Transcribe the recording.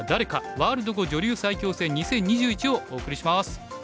ワールド碁女流最強戦２０２１」をお送りします。